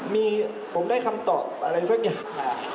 มีผมได้คำตอบอะไรสักอย่าง